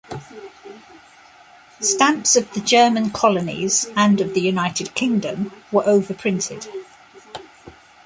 Stamps of the German colonies and of the United Kingdom were overprinted.